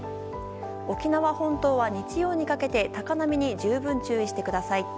沖縄本島は日曜にかけて高波に十分注意してください。